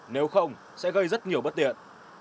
nếu không sẽ gây rất nhiều bất tiện